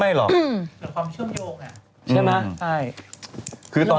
มันเป็นความเชื่อมโยกนะ